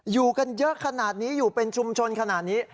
อยู่กันเยอะขนาดนี้อยู่เป็นชุมชนขนาดนี้